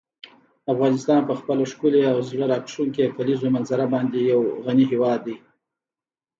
افغانستان په خپله ښکلې او زړه راښکونکې کلیزو منظره باندې یو غني هېواد دی.